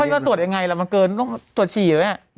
พวกนี้ก็ตรวจอย่างไรล่ะมันเกินตรวจฉี่หรือไง